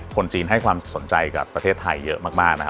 คนจีนให้ความสนใจกับประเทศไทยเยอะมากนะฮะ